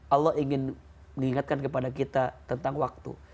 allah ingin mengingatkan kepada kita tentang waktu